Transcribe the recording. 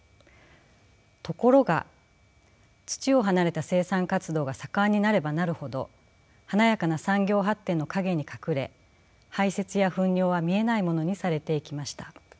ところが土を離れた生産活動が盛んになればなるほど華やかな産業発展の陰に隠れ排泄や糞尿は見えないものにされていきました。